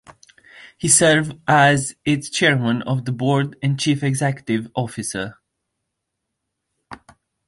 He serves as its Chairman of the Board and Chief Executive Officer.